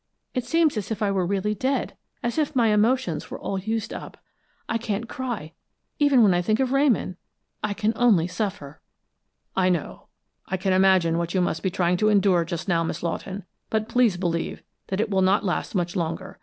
It seems as if I were really dead, as if my emotions were all used up. I can't cry, even when I think of Ramon I can only suffer." "I know. I can imagine what you must be trying to endure just now, Miss Lawton, but please believe that it will not last much longer.